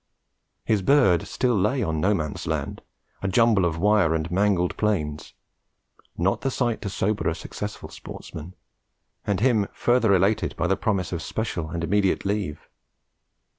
His bird still lay on No Man's Land, a jumble of wire and mangled planes; not the sight to sober a successful sportsman, and him further elated by the promise of special and immediate leave.